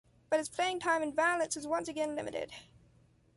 But his playing time in Valence is once again limited.